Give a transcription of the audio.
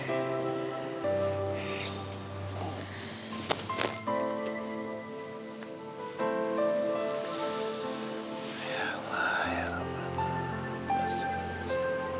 ya allah ya rabbana ya rasulullah ya rasulullah